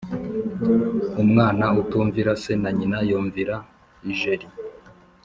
Umwana utumvira se na nyina yumvira ijeri.